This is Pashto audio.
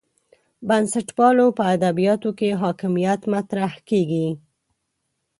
بنسټپالو په ادبیاتو کې حاکمیت مطرح کېږي.